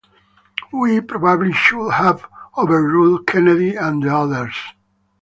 We probably should have overruled Kennedy and the others.